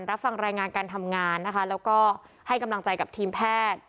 รับฟังรายงานการทำงานนะคะแล้วก็ให้กำลังใจกับทีมแพทย์